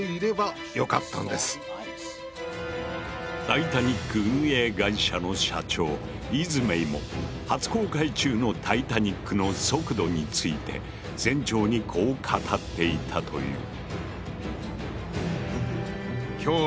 タイタニック運営会社の社長イズメイも初航海中のタイタニックの速度について船長にこう語っていたという。